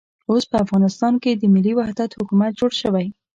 اوس په افغانستان کې د ملي وحدت حکومت جوړ شوی.